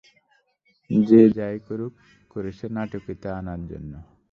যেই এটা করুক, করেছে নাটকীয়তা আনার জন্য।